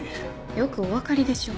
よくお分かりでしょう。